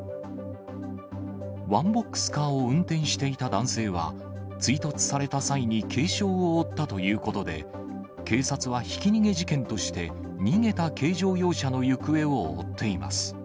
ワンボックスカーを運転していた男性は、追突された際に軽傷を負ったということで、警察はひき逃げ事件として、逃げた軽乗用車の行方を追っています。